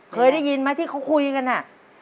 เคยได้ยินไหมที่เขาคุยกันอ่ะ